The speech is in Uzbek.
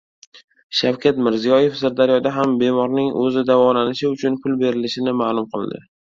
Shavkat Mirziyoyev Sirdaryoda ham bemorning o‘ziga davolanishi uchun pul berilishini ma’lum qildi